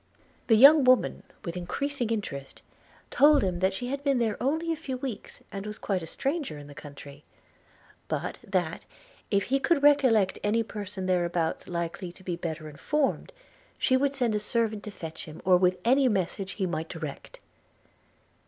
The young woman, with increasing interest, told him that she had been there only a few weeks, and was quite a stranger in the country; but that, if he could recollect any person thereabouts likely to be better informed, she would send a servant to fetch them, or with any message he might direct.